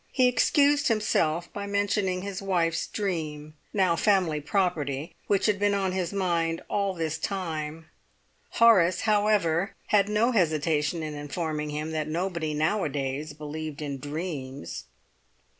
He excused himself by mentioning his wife's dream, now family property, which had been on his mind all this time. Horace, however, had no hesitation in informing him that nobody nowadays believed in dreams.